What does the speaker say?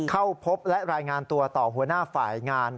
เข้าพบและรายงานตัวต่อหัวหน้าฝ่ายงาน